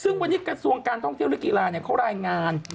ซึ่งวันนี้กระทรวงการท่องเที่ยวและกีฬาเขารายงาน